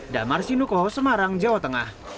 damar sinuko semarang jawa tengah